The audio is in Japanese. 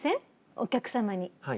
お客様に。